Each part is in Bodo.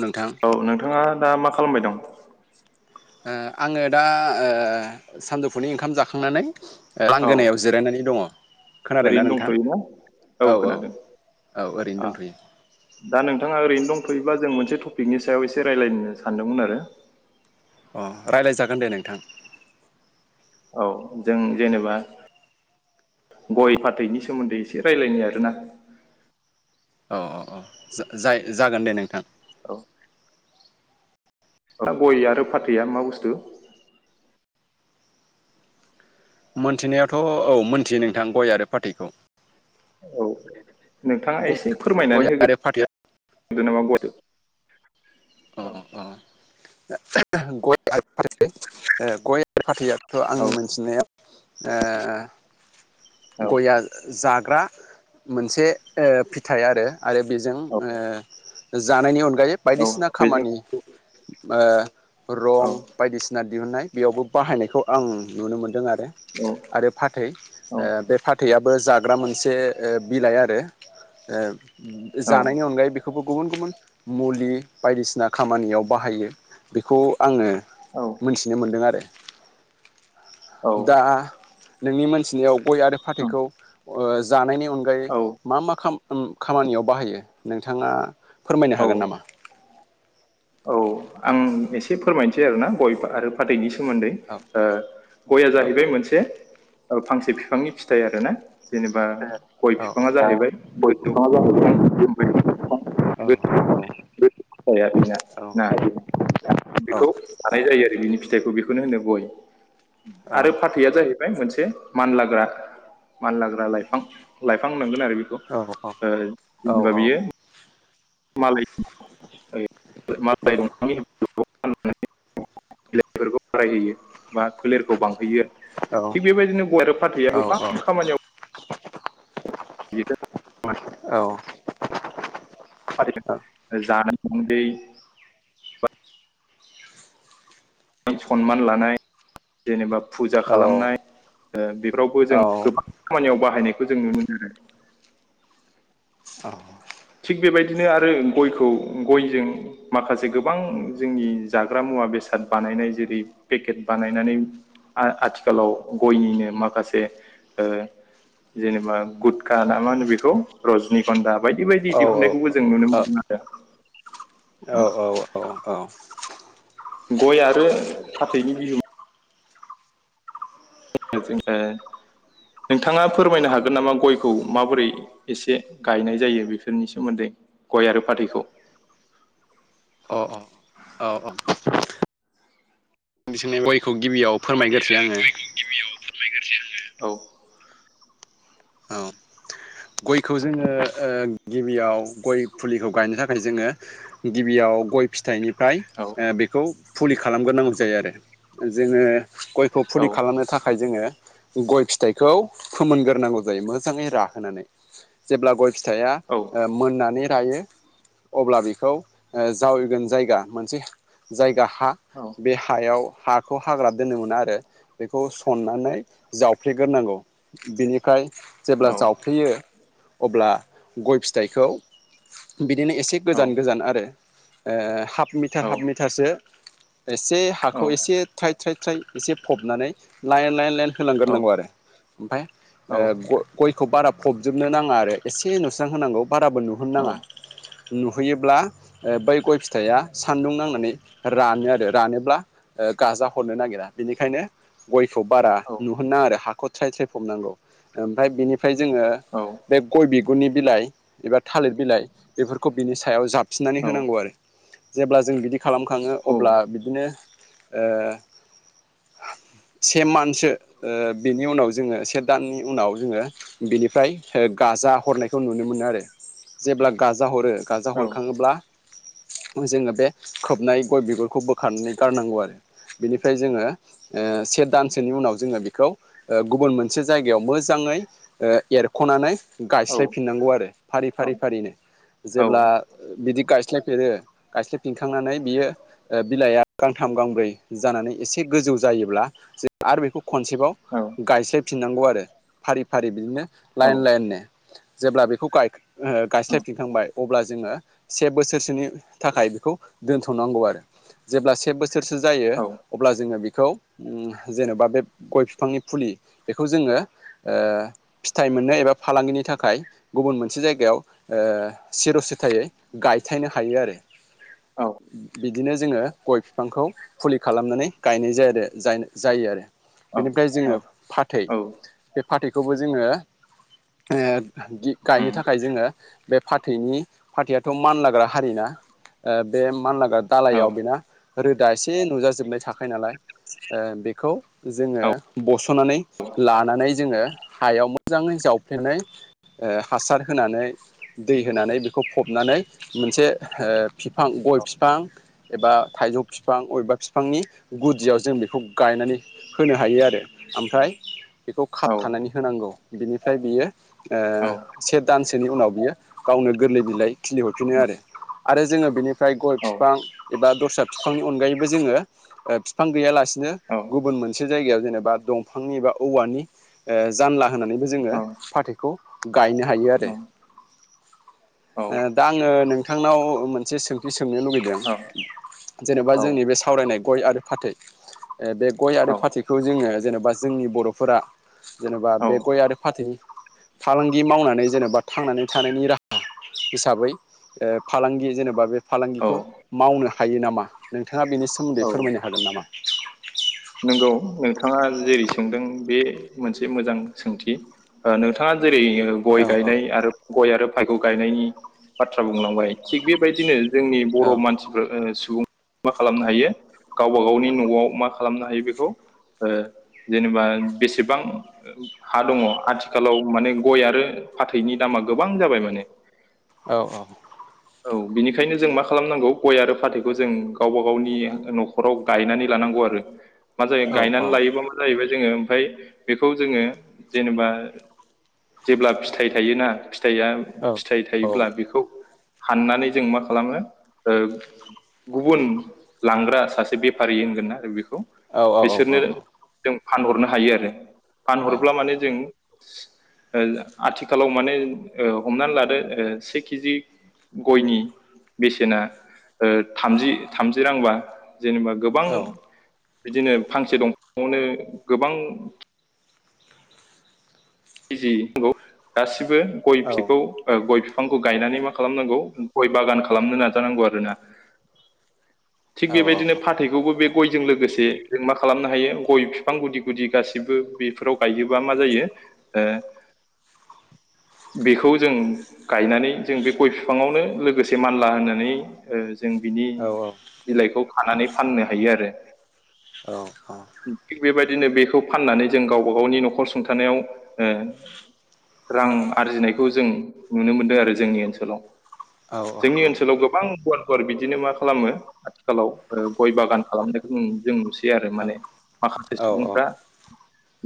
नोंथां औ नोंथाङा दा मा खालामबाय दं। ओ आङो दा ओ सानजौफुनि ओंखाम जाखांनानै औ लांगोनायाव जिरायनानै दङ खोनादोंना ओरैनो नोंथां दंथ'योना औ औ। औ ओरैनो आ दंथ'यो। दा नोंथाङा ओरैनो दंथ'योबा जों मोनसे टपिकनि सायाव एसे रायज्लायनो सानदोंमोन आरो। अ रायज्लायजागोन दे नोंथां। औ जों जेनेबा। गय फाथैनि सोमोन्दै एसे रायलायनि आरोना। औ औ औ जा जायो जागोन दे नोंथां। औ। गय आरो फाथैआ मा बुस्थु। मोनथिनायाथ' औ मोनथियो नोंथां गय आरो फाथैखौ। औ। नोंथाङा एसे गय फोरमायनानै आरो फाथैया होग्रोदो नामा गय। अ औ। अ गय। फाथै ओ गय औ फाथैआथ' आंनि मोनथिनायाव ओ औ गया जाग्रा मोनसे ओ फिथाइ आरो। आरो बेजों औ ओ जानायनि अन गायै औ बायदिसिना बेजों खामानि ओ औ रं औ बायदिसिना दिहुनाय। बेयावबो बाहायनायखौ आं नुनो मोनदों आरो आरो फाथै। औ बे फाथैयाबो जाग्रा मोनसे ओ बिलाइ आरो ओ औ जानायनि अनगायै बेखौबो । गुबुन गुबुन मुलि बायदिसिना खामानियाव बाहायो बेखौ। आङो मोनथिनो मोनदों आरो। दा नोंनि मोनथिनायाव गय आरो फाथैखौ जानायनि अनगायै औ औ मा मा खाम-खामानियाव बाहायो नोंथाङा फोरमायनो हागोन औ नामा? औ आं एसे फोरमायनोसै आरोना गय आरो फाथैनि सोमोन्दै। औ ओ गया औ जाहैबाय मोनसे फांसे फिफांनि फिथाइ आरोना। जेनेबा गय फिफाङा जाहैबाय गोदौ जाहैबाय लेबु [unintelligible] बिफां औ औ। फिथाइया बेना ना, बेखौ [unintelligible] जायो आरो बिनि फिथाइखौ बेखौ। बेखौनो होनो गय आरो फाथैआ जाहै बाय मोनसे मानलाग्रा, मानलाग्रा लाइफां। लाइफां होननांगोन आरो बेखौ ओ जेनेबा बेयो मालाय [unintelligible] [unintelligible] बा फोलेरखौ बांहैयो। थिग बेबादिनो गय आरो फाथैया गोबां खामानियाव [inaudible] [unintelligible] जानो उन्दै सनमान लानाय जेनेबा फुजा खालामनाय ओ बे फोरावबो जों गोबां खामानियाव बाहायनायखौ जों नुनो मोनो आरो। थिग बेबायदिनो आरो गयखौ गयजों माखासे गोबां जोंनि जाग्रा मु मुवा बेसाद बानायनाय जेरै पेकेट बानायनानै आ-आथिखालाव गयनिनो माखासे ओ जेनेबा गुटखा ना मा होनो बेखौ रजनिखनदा बायदि बायदि दिहुननायखौबो जों नुनो मोनो आरो। गय आरो फाथैनि बिहो [unintelligible] जोङो नोंथाङा फोरमायनो हागोन नामा गयखौ माबोरै एसे गायनाय जायो बेफोरनि सोमोन्दै? गय आरो फाथैखौ। अह अह अह अह। [unintelligible] गयखौ गिबियाव फोरमायगोरसै आङो। औ। औ गयखौ जोङो ओ गिबियाव गय फुलिखौ गायनो थाखाय जोङो गिबियाव गय फिथाइनिफ्राय औ ओ बेखौ फुलि खालामगोरनांगौ जायो आरो। जोङो गयखौ औ फुलि खालामनो थाखाय जोङो गय फिथाइखौ फोमोनगोरनांगौ जायो मोजाङै राहोनानै। जेब्ला गय फिथाइया औ मोननानै रायो। अब्ला बेखौ जावैगोन जायगा मोनसे जायगा हा बे हायाव हाखौ हाग्रा दोननो मोना आरो बेखौ सननानै जावफ्लेगोरनांगौ। बिनिफाय औ जेब्ला जावफ्लेयो, अब्ला गय फिथाइखौ बिदिनो एसे औ गोजान गोजान आरो ओ हाफ मिटार औ हाफ मिटारसो एसे हाखौ एसे थ्राय थ्राय थ्राय एसे फबनानै लाइन लाइन लाइन औ होलांगोरनांगौ आरो ओमफाय औ गय-गयखौ बारा फब जोबनो नाङा आरो एसे नुस्रां होनांगौ बाराबो नुहोनो नाङा। नुहोयोब्ला बै गय फिथाइया सान्दुं नांनानै रानो आरो रानोब्ला ओ गाजा हरनो नागिरा। बेनिखायनो गय खौ बारा नुहोनो नाङा आरो हाखौ थ्राय थ्राय फबनांगौ। ओमफाय बेनिफाय जोङो औ बे गय बिगुरनि बिलाइ एबा थालिर बिलाइ बेफोरखौ बिनि सायाव जाब सिननानै होनांगौ आरो जेब्ला जों बिदि खालामखाङो औ अब्ला बिदिनो ओ [inaudible] से मानसो ओ बिनि उनाव जोङो से दाननि उनाव जोङो बिनिफ्राय। ओ गाजा हरनायखौ नुनो मोनो आरो जेब्ला गाजा हरो गाजा हरखाङोब्ला। जोङो बे खोबनाय गय बिगुरखौ बोखारनानै गारनांगौ आरो। बिनिफ्राय जोङो ओ से दानसोनि उनाव जोङो बेखौ गुबुन मोनसे जायगायाव मोजां। ओङै ओ ख'नानै गायस्लायफिननांगौ आरो फारि फारि फारिनो जेब्ला बिदि गायस्लाय। फेरो गायस्लयफिनखांनानै बियो बिलाइया गांथाम गांब्रै जानानै एसे गोजौ जा। जायोब्ला जों आरो बेखौ खनसेबाव गायस्लायफिननांगौ आरो फारि फारि बिदिनो लाइन लाइननो जेब्ला बेखौ गाय ओ गायस्लायफिनखांबाय अब्ला जोङो से बोसोरसोनि थाखाय बेखौ दोनथ'नांगौ आरो जेब्ला से बोसोर सोरसो जायो औ अब्ला जोङो बि खौ उम जेन'बा बे गय बिफांनि फुलि बेखौ जोङो ओ फिथाइ मोननो एबा फालांगिनि थाखाय गुबुन मोनसे जायगायाव ओ सिर'सेथायै गाय गायथायनो हायो बिदिनो जोङो गय बिफांखौ फुलि खालामनानै गायनाय जायो आरो जायो आरो बेनिफ्राय जोङो औ फाथै। फाथैखौबो जोङो ओ गि गायनो उम थाखाय जोङो बे फाथैनि फाथैआथ' मानलाग्रा हारि ना बे मानलागा औ दालायाव औ बेना रोदा एसे नुजाजोबनाय थाखाय नालाय ओ बेखौ जोङो बस। थ'नानै लानानै जोङो। हायाव मोजाङै जावफ्लेनाय ओ हासार होनानै दै होनानै बेखौ फबनानै नै मोनसे ओ बिफां गय बिफां एबा थाइजौ बिफां बबेबा बिफांनि गुदियाव जों बेखौ गायनानै होनो हायो आरो ओमफ्राय बेखौ औ औ खाबथानानै होनांगौ बिनिफ्राय बियो औ ओ से दानसो नि उनाव बियो गावनो गोरलै बिलाइ खिलिहरफिनो आरो जों बेनि। फ्राय गय बिफां एबा दस्रा बिफांनि अनगायैबो जोङो ओ बिफां गैयालासेनो नो औ गुबुन मोनसे जायगायाव जेनेबा दंफांनि बा औवा ओ जानला होनानैबो जोङो फाथैखौ गायनो हायो आरो ओ दा नोंथांनाव मोनसे सोंथि सोंनो लुबैदों औ जेनेबा औ औ जोंनि बे सावरायनाय गय आरो फाथै। ओ बे गय औ आरो फाथैखौ जोङो जेनेबा जोंनि बर'फोरा जेनेबा औ बे गय आरो फाथै फालांगि मावनानै जेन'बा थांनानै थानायनि राहा हिसाबै ओ फालांगि जेनेबा बे औ फालांगिखौ मावनो हायो नामा नोंथाङा बेनि सोमोन्दै औ फोरमायनो हागोन नामा? नंगौ नोंथाङा जेरै सोंदों बे मोनसे मोजां सोंथि ओ नोंथाङा जेरै ओ गय औ औ गायनाय आरो गय आरो भागौ गायनायनि बाथ्रा बुंलांबाय थिग बेबायदिनो जोंनि औ बर' मानसिफोर ओ सुबुं मा खालामनो हायो गावबा गावनि न'आव मा खालामनो हायो बेखौ ओ जेनेबा बेसेबां हा दङ आथिखालाव माने गय आरो। फाथैनि दामा गोबां जाबाय माने औ औ औ बिनिखायनो जों मा खालामनांगौ गय आरो फाथैखौ जों गावबा गावनि न'खराव गायनानै लानांगौ आरो। मा जायो औ गायनानै लायोबा मा जाहैबाय जोङो ओमफ्राय बेखौ जोङो जेनेबा जेब्ला फिथाइ थायोना फिथाइया औ फिथाइ थायोब्ला बेखौ हाननानै जों मा खालामो ओ गुबुन लांग्रा सासे बेफारि होनगोना आरो बेखौ औ औ औ औ बिसोरनो औ जों फानहरनो हायो आरो फानहरब्ला माने जों ओ आथिखालाव माने ओ हमनानै लादो ओ से कि जि गयनि बेसेना ओ थामजि थामजि रांबा जेनेबा गोबां बिदिनो फांसे दंफांआवनो गोबां कि जि [inaudible] गासिबो गय फिथायखौ ओ गय फांखौ गायनानै मा खालामनांगौ गय बागान खालामनो नाजानांगौ आरो ना। थिग बेबायदिनो फाथैखौबो बे गयजों लोगोसे जों मा खालामनो हायो गय बिफां गुदि गुदि गासिबो बेफोराव गायोबा मा जायो ए [inaudible] बेखौ जों गायनानै जों बे गय बिफाङावनो लोगोसे मानला होननानै ओ जों बिनि औ बिलाइखौ खानानै फाननो हायो आरो। औ औ। दिनो बेखौ फाननानै जों गावबा गावनि न'खर सुंथानायाव ओ रां आरजिनायखौ जों नुनो मोनदों आरो जोंनि ओनसोलाव। औ औ जोंनि ओनसोलाव गोबां गुवार गुवार बिदिनो मा खालामो आथिखालाव ओ गय बागान खालामनायखौ जों नुसै सै आरो माने माखासे सुबुंफ्रा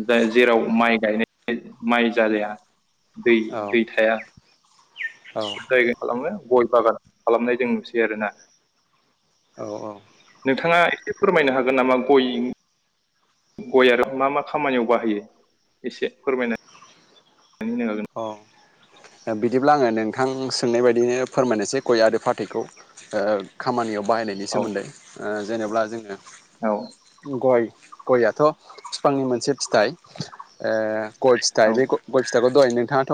जाय जेराव माइ गायनाय [unintelligible] माइ जालिया दै औ दै थाया। औ जायगा खालामनो गय बागान खालामनाय जों नुसै आरोना। औ [inaudible] नोंथाङा एसे फोरमायनो हागोन नामा गय गय आरो मा मा खामानियाव बाहायो एसे फोरमायनाय [unintelligible] हागोन? दा बिदिब्ला आङो नोंथां सोंनाय बायदिनो फोरमायनोसै गय आरो फाथैखौ ओ खामानि नियाव बाहायनायनि सोमोन्दै ओ जेनेब्ला जोङो औ गय गयाथ' फिफांनि मोनसे फिथाइ ओ गय फिथाइ बे गय गय फिथाइखौ दहाय नोंथाङाथ'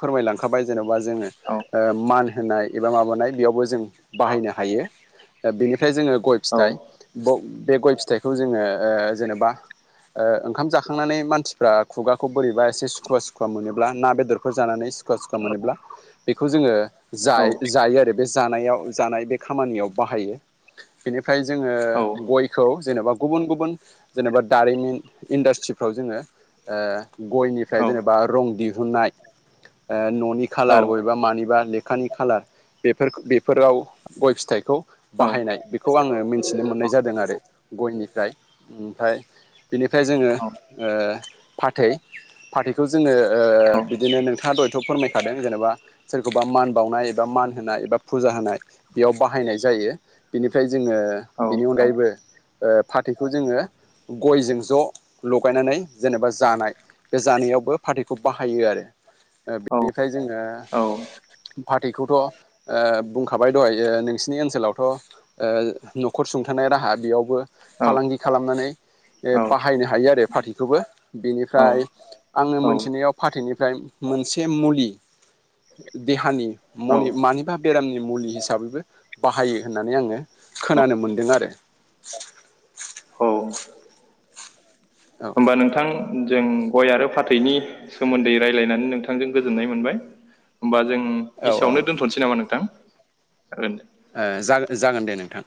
फोरमायलांखाबाय जेन'बा जोङो मान होनाय एबा माबानाय बेयावबो जों बाहायनो हायो ओ बिनिफ्राय जोङो गय औ फिथाइ ब बे गय फिथाइखौ जोङो ओ जेनेबा ओ ओंखाम जाखांनानै मानसिफ्रा खुगाखौ बोरैबा एसे सुखुवा सुखुवा मोनोब ब्ला ना बेदरफोर जानानै सुखुवा सुखुवा मोनोब्ला बेखौ जोङो औ जाय-जायो आरो बे जानायाव जानाय बे खामानियाव बाहायो। बेनिफ्राय औ जोङो गयखौ जेनेबा गुबुन गुबुन जेनेबा दारिमिन इन्डास्ट्रि फ्राव जोङो ओ गयनिफ्राय जेनेबा रं दि दिहुननाय ओ न'नि औ खालार बबेबा मानिबा लेखानि खालार बेफोर बेफोराव गय फिथाइखौ बाहायनाय बेखौ आङो मिन्थिनो मोननाय जादों आरो। गयनिफ्राय ओमफाय बिनिफ्राय जोङो ओ फाथै फाथैखौ जोङो ओ बिदिनो नोंथाङा दहायथ' फोरमायखादों जेन'बा सोरखौबा मान बावनाय एबा मान होनाय एबा फुजा होनाय बेयाव बाहायनाय जायो बिनिफ्राय जोङो बिनि अनगायैबो ओ फाथैखौ जोङो गयजों ज' लगायनानै जेनेबा जानाय बे जानायावबो फाथै खौ बाहायो आरो ओ बेनिफ्राय जोङो औ फाथैखौथ' ओ बुंखाबाय दहायो नोंसिनि ओनसोलावथ' ओ न'खर सुंथानाय राहा बेयावबो फालांगि खालामनानै ए बाहायनो हायो आरो फाथैखौबो बिनिफ्राय आंनो मोनसे थिनायाव फाथैनिफ्राय मोनसे मुलि देहानि औ मनि मानिबा बेरामनि मुलि हिसाबैबो बाहायो होननानै आङो खोनानो मोनदों आरो। औ। औ औ होमबा नोंथां जों गय आरो फाथैनि सोमोन्दै रायलायनानै नोंथांजों गोजोननाय मोनबाय होमबा जों औ ओ इसेआवनो दोनथ'नोसै नामा नोंथां? ओं दे ओ जागोन जागोन दे नोंथां।